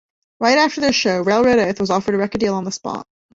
Right after their show, Railroad Earth was offered a record deal on the spot.